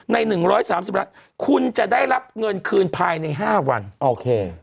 ในหนึ่งร้อยสามสิบล้านคุณจะได้รับเงินคืนภายในห้าวันโอเค